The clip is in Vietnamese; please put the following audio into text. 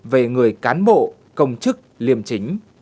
về người cán bộ công chức liêm chính